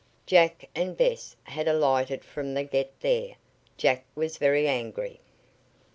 Jack and Bess had alighted from the Get There. Jack was very angry.